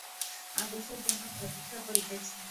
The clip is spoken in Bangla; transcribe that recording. আদেশের জন্য প্রতীক্ষা করিতেছি।